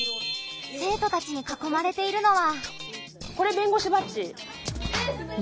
生徒たちにかこまれているのは。